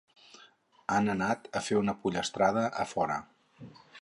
Han anat a fer una pollastrada a fora.